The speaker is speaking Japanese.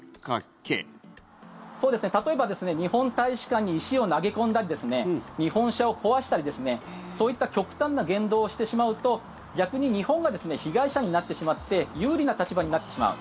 例えば日本大使館に石を投げ込んだり日本車を壊したりそういった極端な言動をしてしまうと逆に日本が被害者になってしまって有利な立場になってしまう。